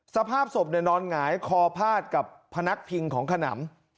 สภาพศพนอนหงายคอพาดกับพนักพิงของขนำ